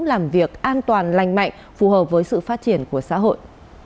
làm việc an toàn lành mạnh phù hợp với sự phát triển của xã hội